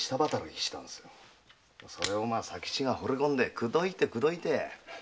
それを佐吉が惚れ込んで口説いて口説いて。